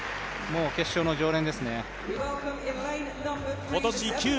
決勝の常連ですね。